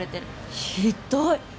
ひどい！